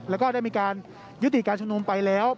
แล้วก็ได้มีการยุติการชุมนุมไปแล้ว